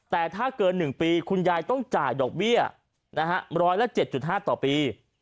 แต่ถ้าเกิน๑ปีคุณยายต้องจ่ายดอกเบี้ย๑๐๗๕ต่อปี